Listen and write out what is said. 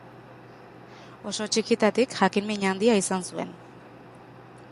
Oso txikitatik jakin-min handia izan zuen.